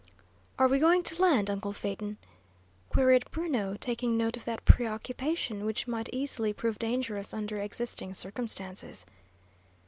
"Are we going to land, uncle Phaeton?" queried Bruno, taking note of that preoccupation, which might easily prove dangerous under existing circumstances.